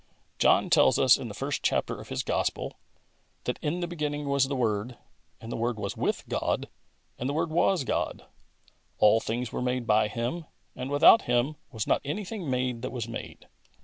John tells us, in the first chapter of his gospel^ that '' In the beginning was the Word, and the Word was with God, and the Word was God. All things were made by Him, and without Him was not anything made that was made."